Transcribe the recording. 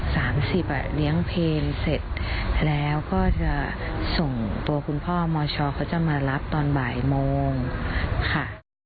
สามสิบอ่ะเลี้ยงเพลงเสร็จแล้วก็จะส่งตัวคุณพ่อมชเขาจะมารับตอนบ่ายโมงค่ะ